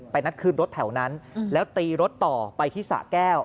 นัดคืนรถแถวนั้นแล้วตีรถต่อไปที่สะแก้ว